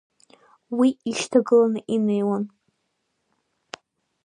Уи ишьҭагыланы инеиуан…